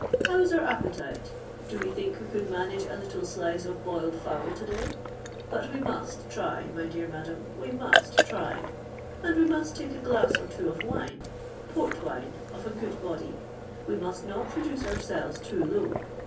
How is our appetite? do we think we could manage a little slice of boiled fowl to day? But we must try, my dear madam—we must try; and we must take a glass or two of wine—Port wine, of a good body. We must not reduce ourselves too low.